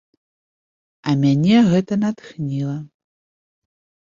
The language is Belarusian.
А мяне гэта натхніла.